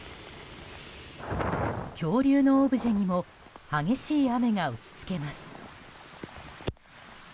恐竜のオブジェにも激しい雨が打ち付けます。